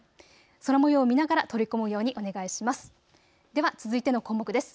空もようを見ながら取り込むようにお願いします。